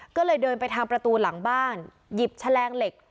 ก็เลยเดินไปทางประตูหลังบ้านหยิบแฉลงเหล็ก